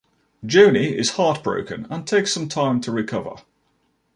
Joanie is heartbroken, and takes some time to recover.